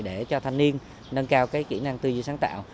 để cho thanh niên nâng cao kỹ năng tư duy sáng tạo